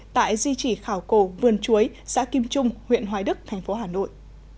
tại di chỉ khảo cổ vườn chuối xã kim trung huyện hoài đức thành phố hà nội